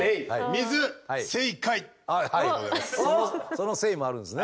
そのセイもあるんですね。